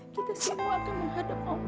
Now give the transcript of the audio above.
kita semua akan menghadap allah